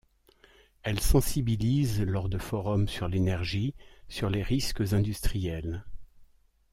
Elle sensibilise, lors de forum sur l'énergie, sur les risques industriels.